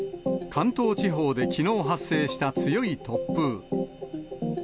関東地方できのう発生した強い突風。